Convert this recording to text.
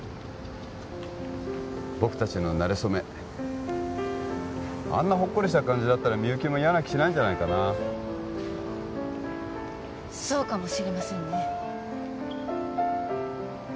僕達のなれそめあんなほっこりした感じだったらみゆきも嫌な気しないんじゃないかなそうかもしれませんね